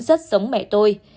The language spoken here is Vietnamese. rất giống mẹ tôi